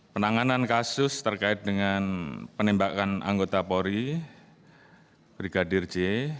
penanganan kasus terkait dengan penembakan anggota polri brigadir j